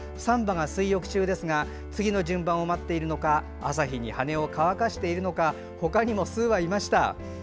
３羽が水浴中ですが次の順番を待っているのか朝日に羽を乾かしているのかほかにも数羽いました。